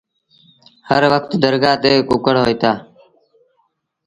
هر وکت درگآه تي ڪُڪڙهوئيٚتآ۔